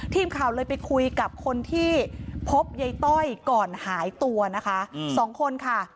ทีมข่าวเลยไปคุยกับคนที่พบยายต้อยก่อนหายตัวนะคะสองคนค่ะ